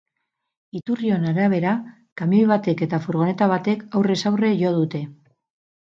Iturrion arabera, kamioi batek eta furgoneta batek aurrez aurre jo dute.